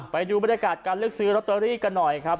ไปดูบรรยากาศการเลือกซื้อลอตเตอรี่กันหน่อยครับ